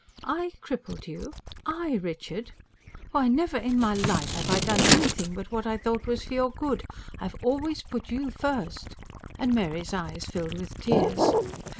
"I crippled you? I, Richard! Why, never in my life have I done anything but what I thought was for your good. I've always put you first." And Mary's eyes filled with tears.